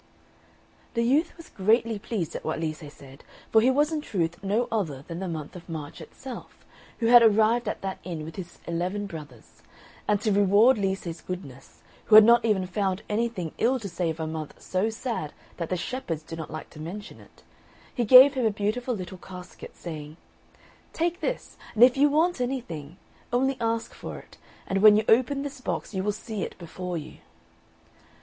The youth was greatly pleased at what Lise said, for he was in truth no other than the month of March itself, who had arrived at that inn with his eleven brothers; and to reward Lise's goodness, who had not even found anything ill to say of a month so sad that the shepherds do not like to mention it, he gave him a beautiful little casket, saying, "Take this, and if you want anything, only ask for it, and when you open this box you will see it before you."